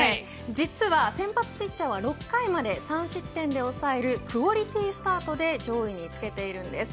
実は先発ピッチャーは６回まで３失点に抑えるクオリティースタートで上位につけているんです。